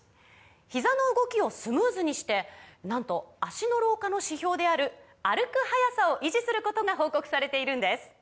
ひざの動きをスムーズにしてなんと脚の老化の指標である歩く速さを維持することが報告されているんです